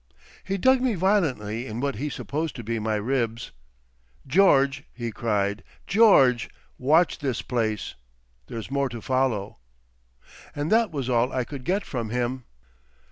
He dug me violently in what he supposed to be my ribs. "George," he cried—"George, watch this place! There's more to follow." And that was all I could get from him.